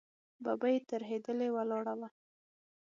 ببۍ ترهېدلې ولاړه وه.